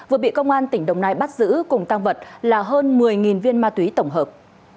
vừa bị công an tỉnh đồng nai bắt giữ cùng tăng vật là hơn một mươi viên ma túy tổng hợp